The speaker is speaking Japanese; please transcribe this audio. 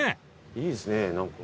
いいですね何か。